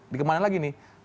di kemana lagi nih